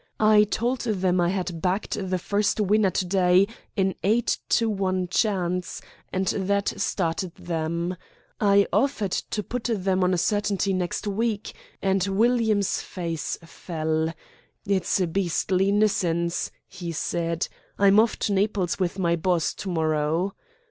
I told them I had backed the first winner to day, an eight to one chance, and that started them. I offered to put them on a certainty next week, and William's face fell. 'It's a beastly nuisance,' he said, 'I'm off to Naples with my boss to morrow.'